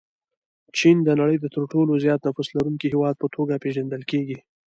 چین د نړۍ د تر ټولو زیات نفوس لرونکي هېواد په توګه پېژندل کېږي.